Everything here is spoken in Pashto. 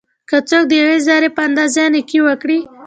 که څوک د یوې ذري په اندازه نيکي وکړي؛